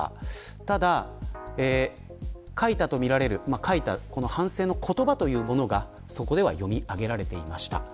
ただ、書いたとみられる反省の言葉というものがそこでは読み上げられていました。